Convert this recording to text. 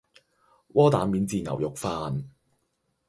窩蛋免治牛肉飯